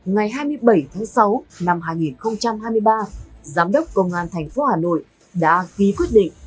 ngày hai mươi bảy tháng sáu năm hai nghìn hai mươi ba giám đốc công an thành phố hà nội đã ghi quyết định